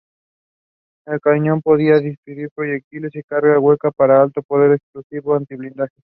El cañón podía disparar proyectiles de carga hueca, alto poder explosivo y antiblindaje.